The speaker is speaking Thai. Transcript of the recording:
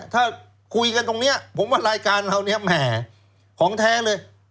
ถ้าคุยกันตรงนี้ผมว่ารายการเราเนี่ยแหมของแท้เลย